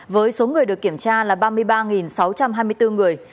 với số người được kiểm tra là ba người